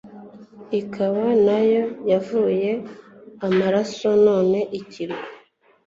ikaba nayo yavuye amaraso none ikirwa